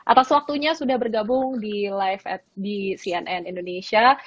atas waktunya sudah bergabung di live at di cnn indonesia